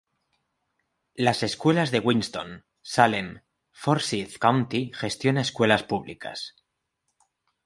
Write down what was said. Las Escuelas de Winston-Salem Forsyth County gestiona escuelas públicas.